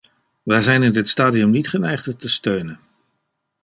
Wij zijn in dit stadium niet geneigd het te steunen.